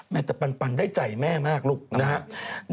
จะปันได้ใจแม่มากลูกนะครับ